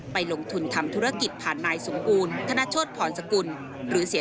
ถึงตัวในเอียมิ้งไซม์โดยเฮลลิปรอปเตอร์มายังกองกับการตำรวจตะเวนชายแดนที่๒๔